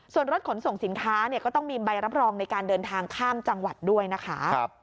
ส่วนรถขนส่งสินค้าเนี่ยก็ต้องมีใบรับรองในการเดินทางข้ามจังหวัดด้วยนะคะ